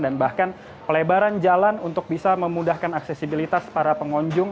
dan bahkan pelebaran jalan untuk bisa memudahkan aksesibilitas para pengunjung